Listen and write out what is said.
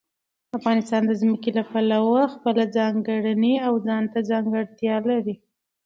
افغانستان د ځمکه د پلوه خپله ځانګړې او ځانته ځانګړتیا لري.